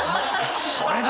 それだよ！